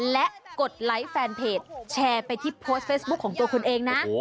และกดไลค์แฟนเพจแชร์ไปที่โพสต์เฟซบุ๊คของตัวคุณเองนะ